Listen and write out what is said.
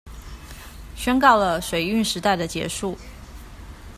宣告了水運時代的結束